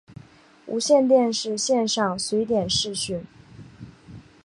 无线电视线上随点视讯